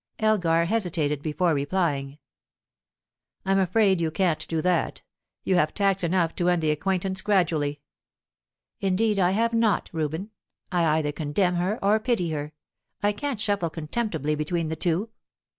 Elgar hesitated before replying. "I'm afraid you can't do that. You have tact enough to end the acquaintance gradually." "Indeed I have not, Reuben. I either condemn her or pity her; I can't shuffle contemptibly between the two."